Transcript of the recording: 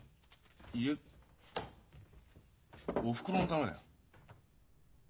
おふくろのためだよ。